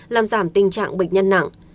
làm giảm tình trạng bệnh nhân nặng